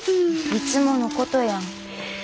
いつものことやん。